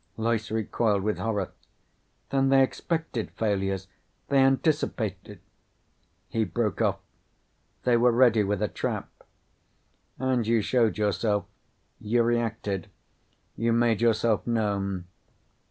Loyce recoiled with horror. "Then they expected failures! They anticipated " He broke off. "They were ready with a trap." "And you showed yourself. You reacted. You made yourself known."